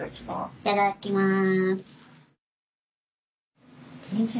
いただきます。